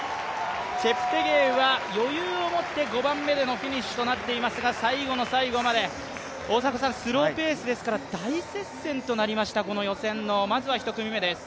チェプテゲイは余裕を持って５番目でのフィニッシュとなっていますが、最後の最後まで、大迫さんスローペースですから大接戦となりました、この予選のまずは１組目です。